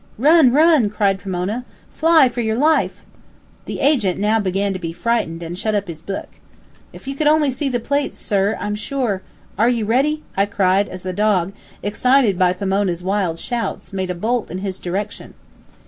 "Run! run!" cried Pomona. "Fly for your life!" The agent now began to be frightened, and shut up his book. "If you only could see the plates, sir, I'm sure " "Are you ready?" I cried, as the dog, excited by Pomona's wild shouts, made a bolt in his direction.